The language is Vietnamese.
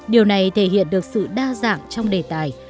điều này thể hiện được sự đa dạng trong đề tài